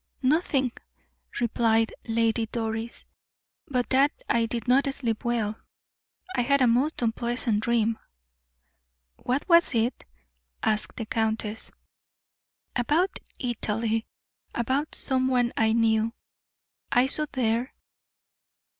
"Nothing," replied Lady Doris, "but that I did not sleep well. I had a most unpleasant dream." "What was it?" asked the countess. "About Italy about some one I knew, I saw there.